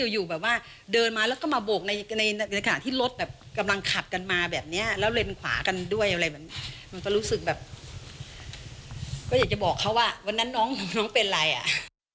อยู่แบบว่าเดินมาแล้วก็มาโบกในในขณะที่รถแบบกำลังขับกันมาแบบนี้แล้วเลนขวากันด้วยอะไรแบบมันก็รู้สึกแบบก็อยากจะบอกเขาว่าวันนั้นน้องเป็นอะไรอ่ะ